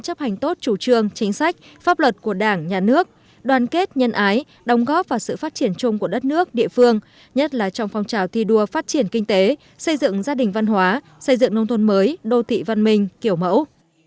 chấp hành tốt chủ trương chính sách pháp luật của đảng nhà nước đoàn kết nhân ái đóng góp và sự phát triển chung của đất nước địa phương nhất là trong phong trào thi đua phát triển kinh tế xây dựng gia đình văn hóa xây dựng nông thôn mới đô thị văn minh kiểu mẫu